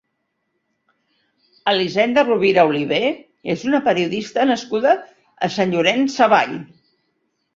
Elisenda Rovira Olivé és una periodista nascuda a Sant Llorenç Savall.